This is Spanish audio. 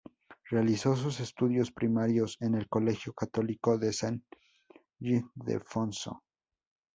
Realizó sus estudios primarios en el Colegio Católico de San Ildefonso.